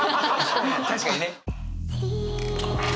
確かにね！